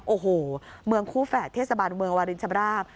โอ้โหเมืองคู่แฝดเทศบาลเมืองวารินชำราบ